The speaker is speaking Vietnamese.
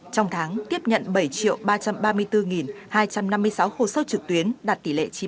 trong tháng tiếp nhận bảy ba trăm ba mươi bốn hai trăm năm mươi sáu hồ sơ trực tuyến đạt tỷ lệ chín mươi